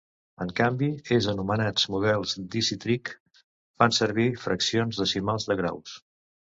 En canvi, es anomenats models "decitrig" fan servir fraccions decimals de graus.